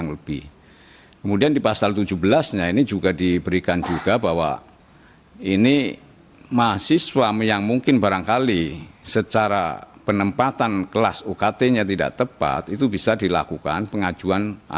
lebih jelas dibanding pp sebelumnya